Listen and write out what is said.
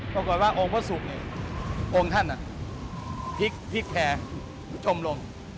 ปรากฏว่าองค์พระศุกร์องค์ท่านพลิกแพรจมลง